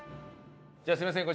じゃあすみません。